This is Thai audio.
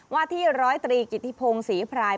ว่าที่๑๐๓กิตีโพงศรีพราย